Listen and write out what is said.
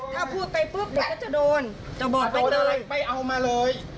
ถ้าพูดไปปุ๊บแล้วจะโดนจะบอกไปเลยไปเอามาเลย